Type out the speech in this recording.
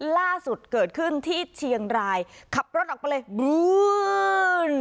ล่าสุดเกิดขึ้นที่เชียงรายขับรถออกไปเลยบลื้น